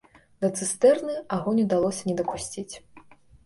Да цыстэрны агонь удалося не дапусціць.